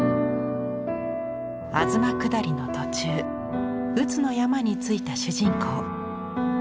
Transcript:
東下りの途中宇津の山に着いた主人公。